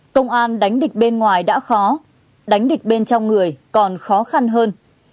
công an đánh địch bên ngoài đã khó đánh địch bên trong người còn khó khăn hơn